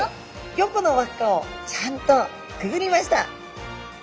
５個の輪っかをちゃんとくぐりました。